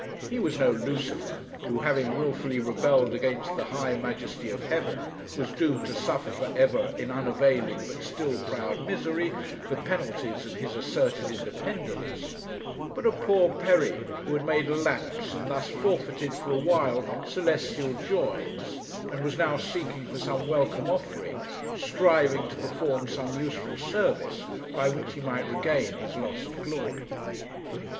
He was no Lucifer, who, having wilfully rebelled against the high majesty of Heaven, was doomed to suffer for ever in unavailing, but still proud misery, the penalties of his asserted independence; but a poor Peri, who had made a lapse and thus forfeited, for a while, celestial joys, and was now seeking for some welcome offering, striving to perform some useful service, by which he might regain his lost glory.